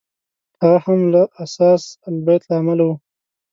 هغه هم له اثاث البیت له امله و.